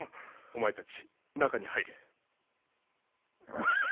お前たち中に入れ。